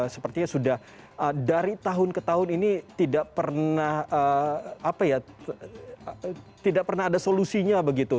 sepertinya sudah dari tahun ke tahun ini tidak pernah ada solusinya begitu